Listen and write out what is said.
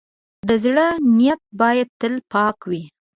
د زړۀ نیت باید تل پاک وي.